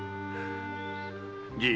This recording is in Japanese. じい。